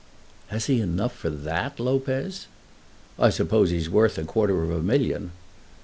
"Has he enough for that, Lopez?" "I suppose he's worth a quarter of a million."